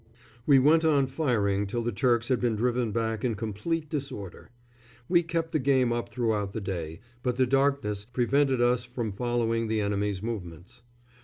We went on firing till the Turks had been driven back in complete disorder. We kept the game up throughout the day, but the darkness prevented us from following the enemy's movements.